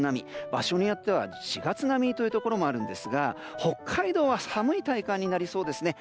場所によっては４月並みというところもあるんですが北海道は寒い体感になりそうですね。